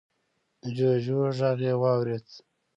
جوجو غږ يې واورېد.